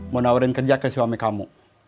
mau nawarin kerja ke suami kamu